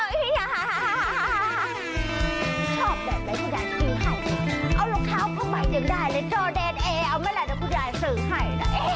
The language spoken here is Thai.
โอ๊ยชอบแบบนั้นกูย่ายซื้อให้เอาลูกเท้าก็ใหม่อย่างได้เลยจอดแดนแอร์เอาไหมล่ะนะกูย่ายซื้อให้